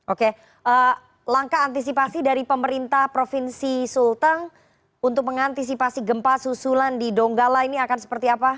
oke langkah antisipasi dari pemerintah provinsi sulteng untuk mengantisipasi gempa susulan di donggala ini akan seperti apa